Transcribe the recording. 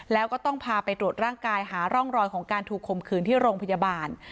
แล้วก็ต้องพาไปตรวจร่างกายหาร่องรอยของการถูกข่มขืนที่โรงพยาบาล